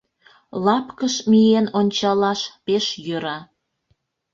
Лапкыш миен ончалаш пеш йӧра.